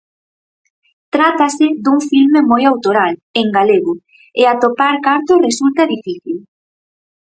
Trátase dun filme moi autoral, en galego, e atopar cartos resulta difícil.